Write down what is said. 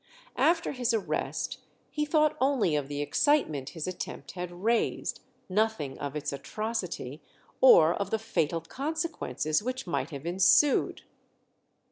After his arrest he thought only of the excitement his attempt had raised, nothing of its atrocity, or of the fatal consequences which might have ensued.